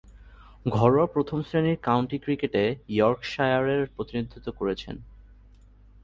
ঘরোয়া প্রথম-শ্রেণীর কাউন্টি ক্রিকেটে ইয়র্কশায়ারের প্রতিনিধিত্ব করেছেন।